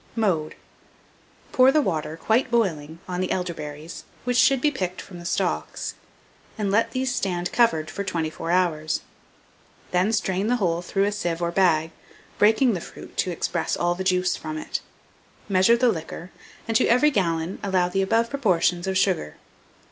Mode. Pour the water, quite boiling, on the elderberries, which should be picked from the stalks, and let these stand covered for 24 hours; then strain the whole through a sieve or bag, breaking the fruit to express all the juice from it. Measure the liquor, and to every gallon allow the above proportion of sugar.